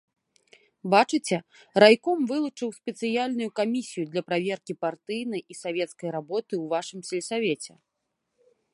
Бачыце, райком вылучыў спецыяльную камісію для праверкі партыйнай і савецкай работы ў вашым сельсавеце.